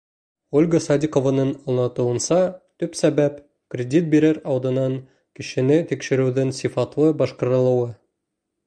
Ольга Садиҡованың аңлатыуынса, төп сәбәп — кредит бирер алдынан кешене тикшереүҙең сифатлы башҡарылыуы.